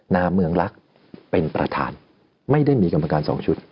นาเมืองลักษณ์เป็นประธานไม่ได้มีกรรมการสองชุด